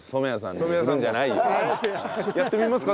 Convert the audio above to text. やってみますか？